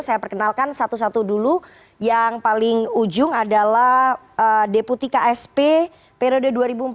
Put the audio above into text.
saya perkenalkan satu satu dulu yang paling ujung adalah deputi ksp periode dua ribu empat belas dua ribu dua